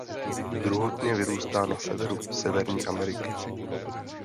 Druhotně vyrůstá na severu Severní Ameriky.